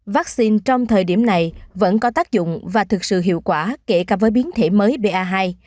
vaccine trong thời điểm này vẫn có tác dụng và thực sự hiệu quả kể cả với biến thể mới ba hai